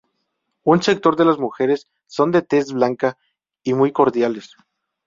Un sector de las mujeres son de tez blanca y muy cordiales.